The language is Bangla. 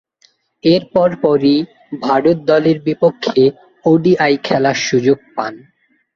এর পরপরই ভারত দলের বিপক্ষে ওডিআই খেলার সুযোগ পান।